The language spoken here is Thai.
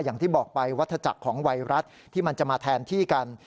อย่างที่บอกไปวัฒจักรของไวรัสที่มันจะมาแทนที่กัน